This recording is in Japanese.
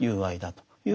という